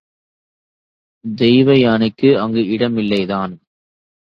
தெய்வயானைக்கு அங்கு இடமில்லைதான்.